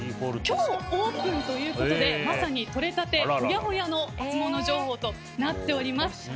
今日、オープンということでまさに、とれたてほやほやのハツモノ情報となっております。